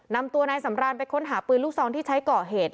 นำตัวนายสำรานไปค้นหาปืนลูกซองที่ใช้ก่อเหตุ